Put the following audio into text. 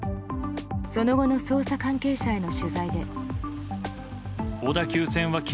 その後の捜査関係者への取材で。